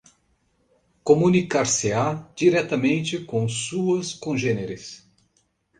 comunicar-se-á diretamente com suas congêneres